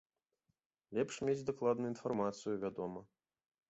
Лепш мець дакладную інфармацыю, вядома.